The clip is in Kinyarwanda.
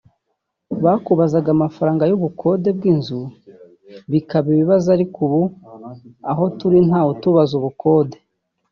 Bakubazaga amafaranga y’ubukode bw’inzu bikaba ibibazo ariko ubu aho turi ntawe utubaza ubukode